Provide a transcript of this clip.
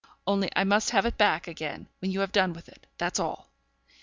Only I must have it back again when you have done with it, that's all.'